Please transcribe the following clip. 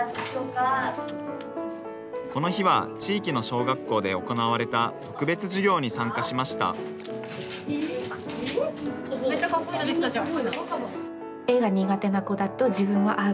この日は地域の小学校で行われた特別授業に参加しましためっちゃかっこいいの出来たじゃん。